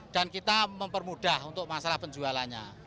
dan kita mempermudah untuk masalah penjualannya